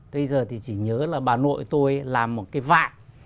bây giờ thì chỉ nhớ là bà nội tôi làm một cái vạn